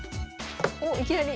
おっいきなり。